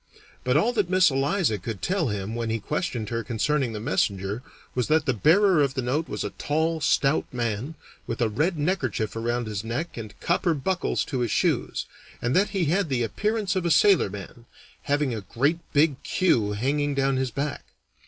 But all that Miss Eliza could tell him when he questioned her concerning the messenger was that the bearer of the note was a tall, stout man, with a red neckerchief around his neck and copper buckles to his shoes, and that he had the appearance of a sailorman, having a great big queue hanging down his back.